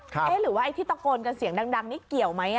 เอ๊ะหรือว่าไอ้ที่ตะโกนกันเสียงดังนี่เกี่ยวไหม